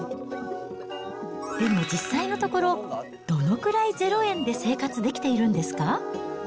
でも実際のところ、どのくらい０円で生活できているんですか？